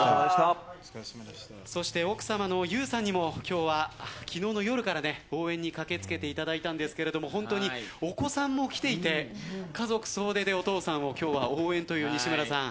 そして奥様の優さんにも今日は昨日の夜から応援に駆けつけていただいたんですけれども本当にお子さんも来ていて家族総出でお父さんを今日は応援という西村さん。